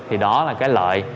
thì đó là cái lợi